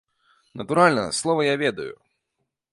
Натуральна, словы я ведаю.